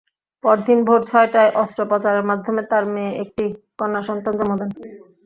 পরদিন ভোর ছয়টায় অস্ত্রোপচারের মাধ্যমে তাঁর মেয়ে একটি কন্যাসন্তান জন্ম দেন।